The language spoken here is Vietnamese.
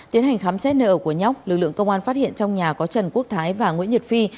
tiến hành khám xét nợ của nhóc lực lượng công an phát hiện trong nhà có trần quốc thái và nguyễn nhật phi